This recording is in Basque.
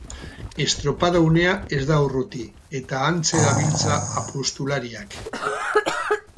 Estropada unea ez da urruti, eta hantxe dabiltza apustulariak